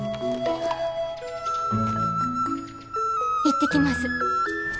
行ってきます。